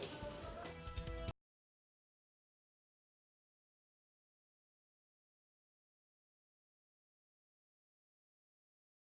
bagaimana cara anda membuatltir tengan ke outfit berbeda dengan posisi yangoil news